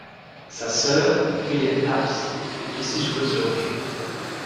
Sa sœur, Gillian Apps, est aussi joueuse de hockey.